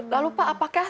lalu pak apakah